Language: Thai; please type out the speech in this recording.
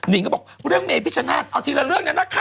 นิ้งก็บอกเรื่องเมพิชนาศเอาทีละเรื่องนะนะค่ะ